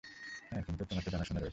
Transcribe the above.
হ্যাঁ, কিন্তু তোমার তো জানাশোনা রয়েছে।